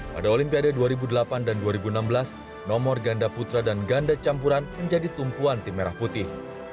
pada olimpiade dua ribu delapan dan dua ribu enam belas nomor ganda putra dan ganda campuran menjadi tumpuan tim merah putih